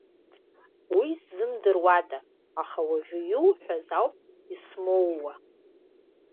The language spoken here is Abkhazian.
Уи ззымдыруада, аха уажәы иуҳәаз ауп исмоуа.